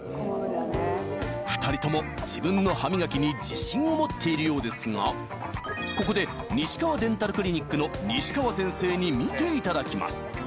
２人とも自分の歯磨きに自信を持っているようですがここでにしかわデンタルクリニックの西川先生に見ていただきます